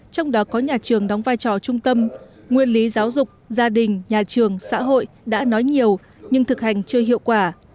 trong đó có nhà trường đóng vai trò trung tâm nguyên lý giáo dục gia đình nhà trường xã hội đã nói nhiều nhưng thực hành chưa hiệu quả